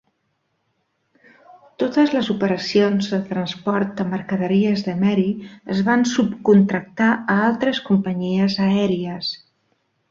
Totes les operacions de transport de mercaderies d'Emery es van subcontractar a altres companyies aèries.